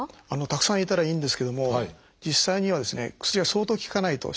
たくさんいたらいいんですけども実際にはですね薬が相当効かないと。